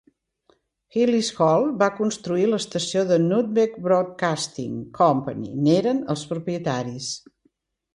Hillis Holt va construir l'estació i Nutmeg Broadcasting Company n'eren els propietaris.